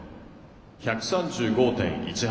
１３５．１８。